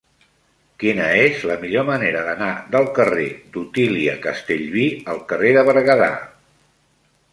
Quina és la millor manera d'anar del carrer d'Otília Castellví al carrer de Berguedà?